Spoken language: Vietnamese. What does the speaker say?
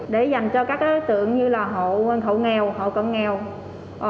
để dành cho các đối tượng như là hộ nghèo hộ cận nghèo